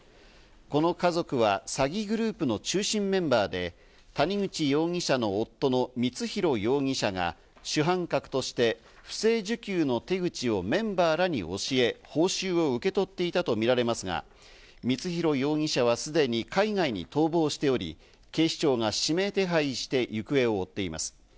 この家族は詐欺グループの中心メンバーで谷口容疑者の夫の光弘容疑者が主犯格として不正受給の手口をメンバーらに教え、報酬を受け取っていたとみられますが、光弘容疑者容疑者はすでに海外に逃亡しており、警視庁が指名手配して行方を追っています。